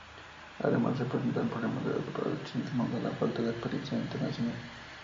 Además, se presentaron problemas de adaptación, sumados a la falta de experiencia internacional.